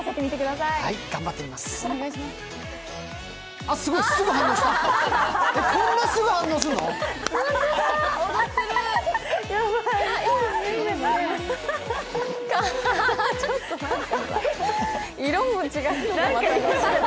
はい、頑張ってみます。